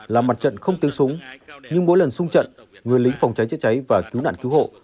là mặt trận không tiếng súng nhưng mỗi lần sung trận người lính phòng cháy chữa cháy và cứu nạn cứu hộ